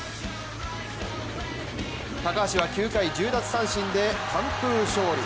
高橋は９回１０奪三振で完封勝利。